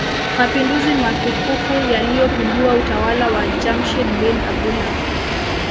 Mapinduzi matukufu yaliyopindua utawala wa Jamshid bin Abdullah